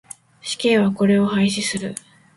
死刑はこれを廃止する。